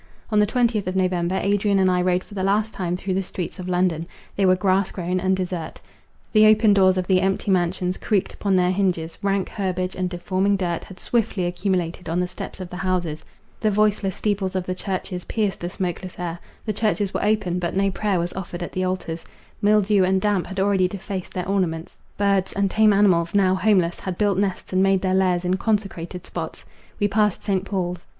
On the twentieth of November, Adrian and I rode for the last time through the streets of London. They were grass grown and desert. The open doors of the empty mansions creaked upon their hinges; rank herbage, and deforming dirt, had swiftly accumulated on the steps of the houses; the voiceless steeples of the churches pierced the smokeless air; the churches were open, but no prayer was offered at the altars; mildew and damp had already defaced their ornaments; birds, and tame animals, now homeless, had built nests, and made their lairs in consecrated spots. We passed St. Paul's.